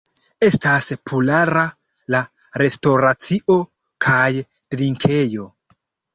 Estas populara la restoracio kaj drinkejo.